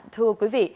thưa quý vị